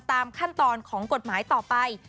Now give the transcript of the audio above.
ตามขั้นตอนของกฎหมายต่อไป